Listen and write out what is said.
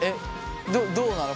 どどうなの？